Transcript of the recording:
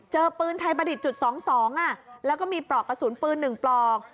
เจอปืนไทยประดิษฐ์จุดสองสองอ่ะแล้วก็มีปลอกกระสุนปืนหนึ่งปลอก